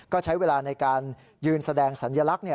ก็ใช้เวลาในการยืนแสดงสัญลักษณ์